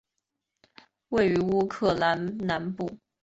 位于乌克兰南部。